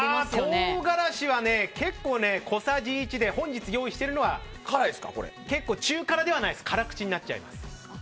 唐辛子は結構、小さじ１で本日、用意しているのは中辛ではなくて辛口になっちゃいます。